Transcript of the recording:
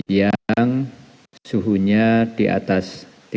yang suhunya di atas tiga puluh